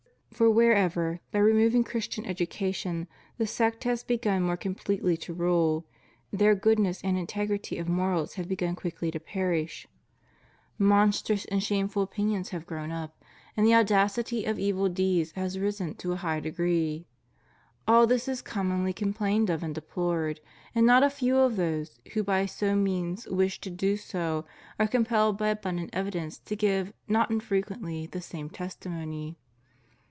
For wherever, by re moving Christian education, the sect has begim more completely to rule, there goodness and integrity of morals have begun quickly to perish, monstrous and shameful 94 FREEMASONRY. opinions have grown up, and the audacity of evil deeds has risen to a high degree. All this is commonly com plained of and deplored; and not a few of those who by no means wish to do so are compelled by abundant evi dence to give not infrequently the same testimony.